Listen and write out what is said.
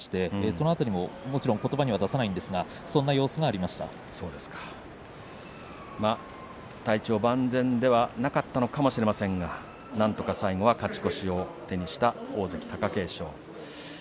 その辺りも、もちろんことばには出さないんですが体調万全ではなかったのかもしれませんがなんとか最後は勝ち越しを手にした大関貴景勝。